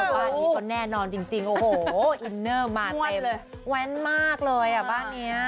บ้านนี้เขาแน่นอนจริงโอ้โหอินเนอร์มาเต็มเลยแว้นมากเลยอ่ะบ้านเนี้ย